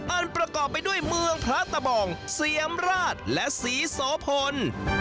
ประกอบไปด้วยเมืองพระตะบองเสียมราชและศรีโสพล